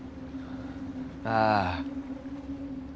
ああ。